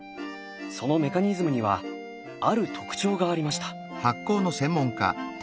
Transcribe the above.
そのメカニズムにはある特徴がありました。